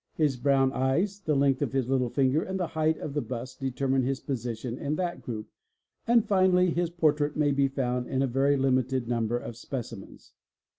His ~ brown eyes, the length of his little finger, and the height of the bust, determine his position in that group, and finally his portrait may be found in a very limited number of specimens.